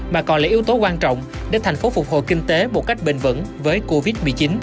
mà còn là yếu tố quan trọng để thành phố phục hồi kinh tế một cách bền vững với covid một mươi chín